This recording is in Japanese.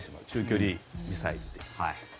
中距離ミサイルで。